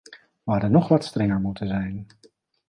We hadden nog wat strenger moeten zijn.